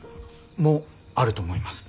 もあると思います。